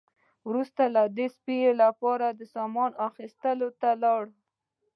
وروسته دوی د سپي لپاره د سامان اخیستلو ته لاړل